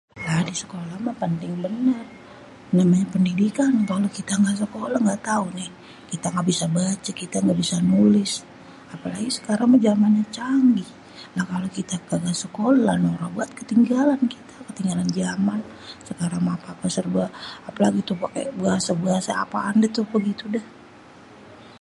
Lah di sekolah mah penting bener. Namanya péndidikan kalo kita gak sekolah gak tau nih kita gak bisa baca, kita gak bisa nulis. Apalagi sekarang jamannya canggih. Lah kalo kita kagak sekolah bakal banget ketinggalan kita, ketinggalan jaman. Sekarang mah apa-apa serba, apalagi tuh paké buat bahasa-bahasa apaan deh tuh, begitu dah.